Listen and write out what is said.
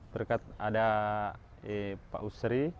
berkat ada pak yusri